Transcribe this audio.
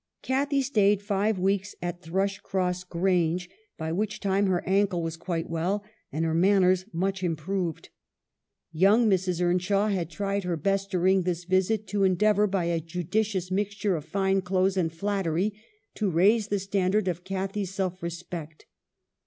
Cathy stayed five weeks at Thrushcross Grange 16 242 EMILY BRONTE. by which time her ankle was quite well, and her manners much improved. Young Mrs. Earn shaw had tried her best, during this visit, to en deavor by a judicious mixture of fine clothes and flattery to raise the standard of Cathy's self respect.